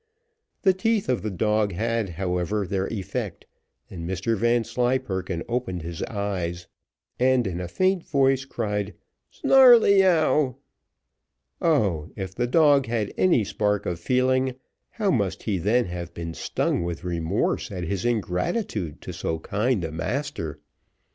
The teeth of the dog had, however, their effect, and Mr Vanslyperken opened his eyes, and in a faint voice cried "Snarleyyow." Oh, if the dog had any spark of feeling, how must he then have been stung with remorse at his ingratitude to so kind a master!